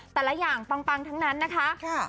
แต่ละอย่างปังทั้งนั้นนะคะ